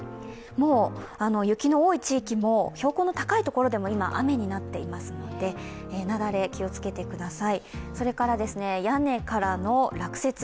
雪の多い地域も標高の高いところでも今、雨になっていますので、雪崩、気をつけてください。